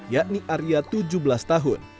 yakni arya tujuh belas tahun